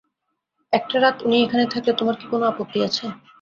একটা রাত উনি এখানে থাকলে, তোমার কি কোন আপত্তি আছে?